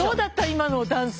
今のダンス。